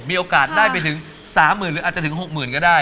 มีโอกาสได้ไปถึงสามหมื่นหรืออาจจะถึงหกหมื่นก็ได้